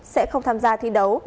sẽ không tham gia thi đấu